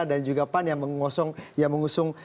dan juga pan yang mengusung